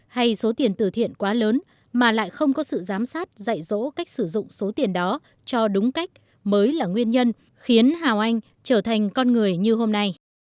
hay số tiền tử thiện quá lớn mà lại không có sự giám sát dạy dỗ cách sử dụng số tiền đó cho đúng cách mới là nguyên nhân khiến hào anh trở thành con người như hôm nay